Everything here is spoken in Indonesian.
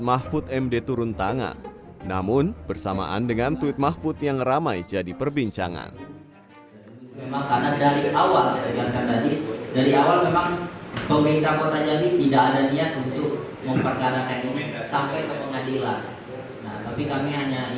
muhammad gempa awaljon putra kepala bagian hukum pemkot jambi yang melapor secara resmi